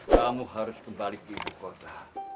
kamu harus kembali ke ibu kota